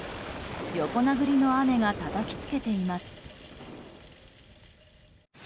横殴りの雨がたたきつけています。